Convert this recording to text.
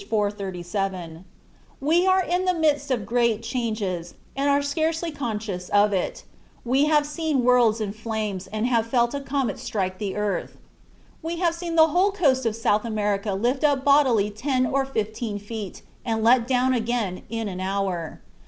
437): "We are in the midst of great changes, and are scarcely conscious of it. We have seen worlds in flames, and have felt a comet strike the earth. We have seen the whole coast of South America lifted up bodily ten or fifteen feet and let down again in an hour.